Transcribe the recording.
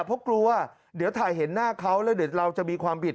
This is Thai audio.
เพราะกลัวเดี๋ยวถ่ายเห็นหน้าเขาแล้วเดี๋ยวเราจะมีความผิด